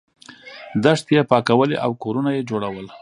دښتې یې پاکولې او کورونه یې جوړول.